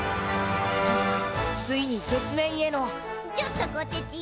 そうついに月面へのちょっとこてち。